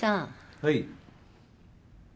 はい。